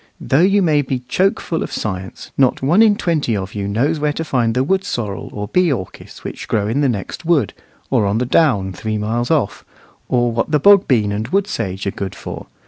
Though you may be choke full of science, not one in twenty of you knows where to find the wood sorrel, or bee orchis, which grow in the next wood, or on the down three miles off, or what the bog bean and wood sage are good for.